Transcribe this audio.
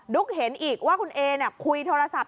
เห็นอีกว่าคุณเอคุยโทรศัพท์